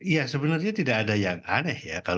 ya sebenarnya tidak ada yang aneh ya